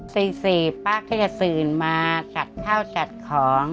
๔ป้าก็จะตื่นมาจัดข้าวจัดของ